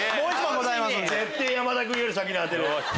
ぜってぇ山田君より先に当てる。